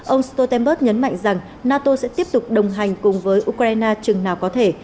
ông stoltenberg nhấn mạnh rằng nato sẽ tiếp tục đồng hành cùng với ukraine chừng nào có thể